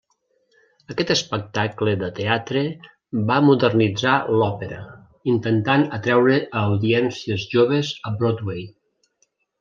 Aquest espectacle de teatre va modernitzar l'òpera, intentant atreure a audiències joves a Broadway.